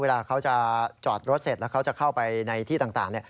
เวลาเขาจะจอดรถเสร็จเข้าไปในที่ต่าง